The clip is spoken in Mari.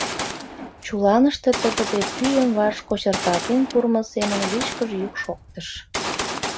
Чуланыште тыгыде пӱйым ваш кочыртатен пурмо семын вичкыж йӱк шоктыш: